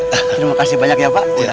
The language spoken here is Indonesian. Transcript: terima kasih banyak ya pak